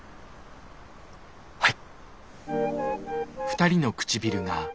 はい。